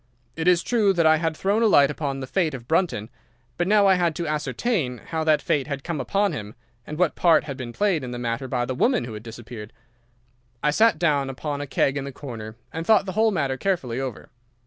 It is true that I had thrown a light upon the fate of Brunton, but now I had to ascertain how that fate had come upon him, and what part had been played in the matter by the woman who had disappeared. I sat down upon a keg in the corner and thought the whole matter carefully over.